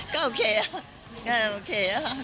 ก็โอเคอะก็โอเคอะ